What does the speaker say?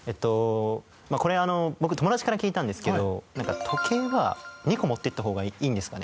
これ僕友達から聞いたんですけど時計は２個持っていった方がいいんですかね？